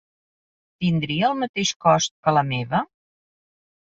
Tindria el mateix cost que la meva?